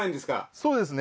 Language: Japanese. そうですね。